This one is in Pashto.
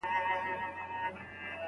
ایا ډېر لوړ ږغ پاڼه ړنګه کړه؟